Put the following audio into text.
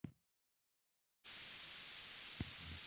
هیڅوک تر قانون لوړ نه دی.